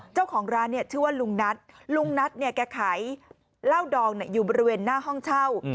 เจ้าของร้านชื่อว่าลุงนัทลุงนัทแก่ไขเล่าดองอยู่บริเวณหน้าห้องเช่า